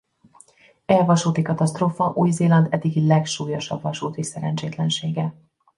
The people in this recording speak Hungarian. E vasúti katasztrófa Új-Zéland eddigi legsúlyosabb vasúti szerencsétlensége.